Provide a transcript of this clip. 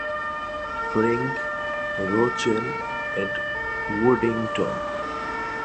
Frink, Rochelle and Woodington.